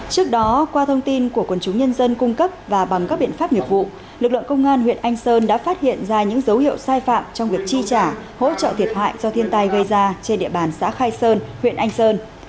trước đó qua thông tin của quần chúng nhân dân cung cấp và bằng các biện pháp nghiệp vụ lực lượng công an huyện anh sơn đã phát hiện ra những dấu hiệu sai phạm trong việc chi trả hỗ trợ thiệt hại do thiên tai gây ra trên địa bàn xã khai sơn huyện anh sơn